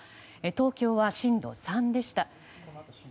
東京は震度３でした。